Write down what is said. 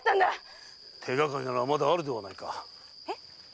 手がかりならまだあるではないか。